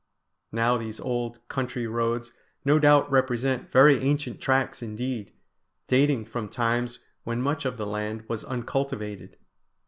Now these old country roads no doubt represent very ancient tracks indeed, dating from times when much of the land was uncultivated.